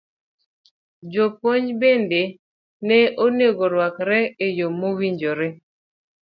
Jopuonj bende ne onego orwakre e yo mowinjore.